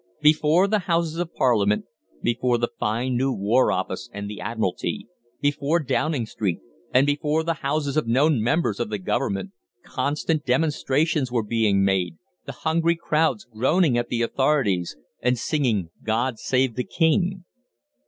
Before the Houses of Parliament, before the fine new War Office and the Admiralty, before Downing Street, and before the houses of known members of the Government, constant demonstrations were being made, the hungry crowds groaning at the authorities, and singing "God Save the King."